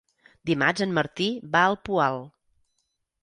Dimarts en Martí va al Poal.